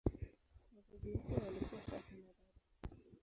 Wazazi wake walikuwa kaka na dada.